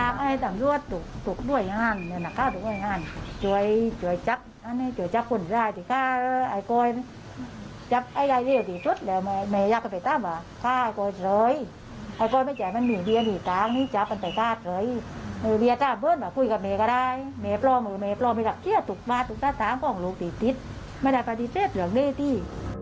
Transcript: ไม่ได้การที่เจ็บหรือแน่นี่